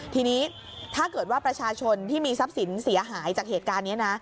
ทีนี้ถ้าเกิดว่าประชาชนที่มีทรัพย์สินเสียหายจากเหตุการณ์นี้นะ